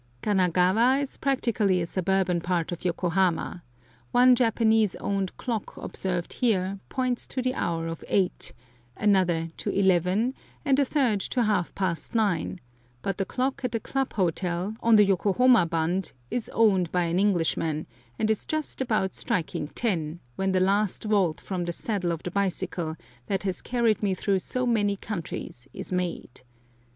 Kanagawa is practically a suburban part of Yokohama: one Japanese owned clock observed here points to the hour of eight, another to eleven, and a third to half past nine, but the clock at the Club Hotel, on the Yokohama bund, is owned by an Englishman, and is just about striking ten, when the last vault from the saddle of the bicycle that has carried me through so many countries is made.